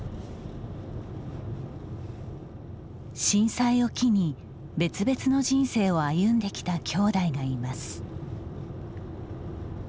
震災を機に別々の人生を歩んできたきょうだいがいます。